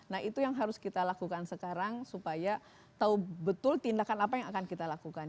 nah itu yang harus kita lakukan sekarang supaya tahu betul tindakan apa yang akan kita lakukan